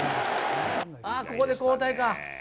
ここで交代か。